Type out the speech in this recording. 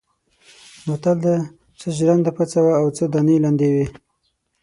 متل دی: څه ژرنده پڅه وه او څه دانې لندې وې.